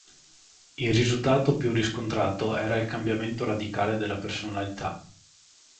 Il risultato più riscontrato era il cambiamento radicale della personalità.